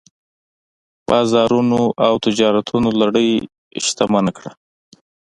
بازارونو او تجارتونو نړۍ شتمنه کړه.